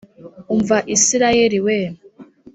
umva isirayeli we!